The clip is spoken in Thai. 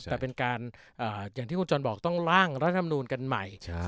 แต่เป็นการอย่างที่คุณจรบอกต้องล่างรัฐมนูลกันใหม่